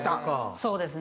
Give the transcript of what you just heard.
そうですね。